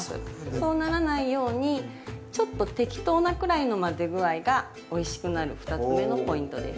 そうならないようにちょっと適当なくらいの混ぜ具合がおいしくなる２つ目のポイントです。